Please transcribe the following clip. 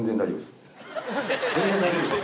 全然大丈夫です？